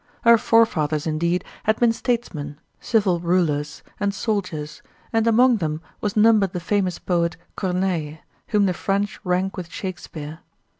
Her forefathers, indeed, had been statesmen, civil rulers, and soldiers, and among them was numbered the famous poet Corneille, whom the French rank with Shakespeare.